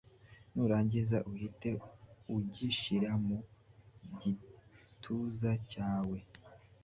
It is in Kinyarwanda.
nurangiza uhite ugishyira mu gituza cyawe